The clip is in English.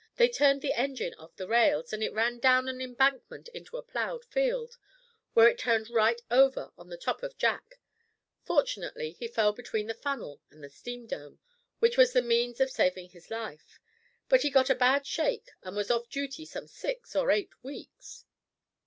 They turned the engine off the rails, and it ran down an embankment into a ploughed field, where it turned right over on the top of Jack. Fortunately he fell between the funnel and the steam dome, which was the means of savin' his life; but he got a bad shake, and was off duty some six or eight weeks.